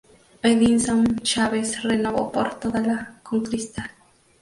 Edinson Chávez renovó por toda la con Cristal.